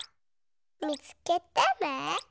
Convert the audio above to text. みつけてね。